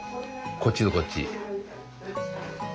こっちとこっち。